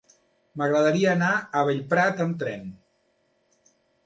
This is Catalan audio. M'agradaria anar a Bellprat amb tren.